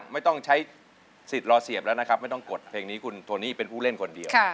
ไม่ต้องใช้สิทธิ์รอเสียบแล้วนะครับไม่ต้องกดเพลงนี้คุณโทนี่เป็นผู้เล่นคนเดียว